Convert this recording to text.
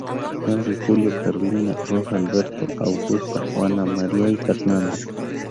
Henry, Julio, Carolina, Rosa, Alberto, Augusta, Juana, María y Fernando.